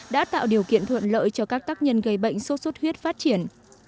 đã tạo điều kiện thuận lợi cho các tác nhân gây bệnh sốt xuất huyết phát triển